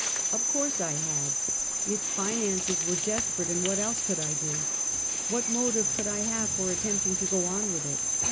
Of course I had. Its finances were desperate, and what else could I do? What motive could I have for attempting to go on with it?